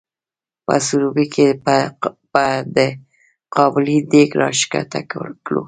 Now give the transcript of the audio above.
په سروبي کې به د قابلي دیګ را ښکته کړو؟